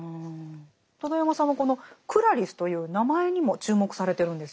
戸田山さんはこの「クラリス」という名前にも注目されてるんですよね。